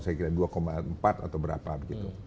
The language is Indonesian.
ada dua empat atau berapa gitu